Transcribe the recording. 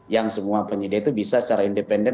yang semua penyedia itu bisa secara independen